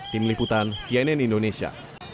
tim liputan cnn indonesia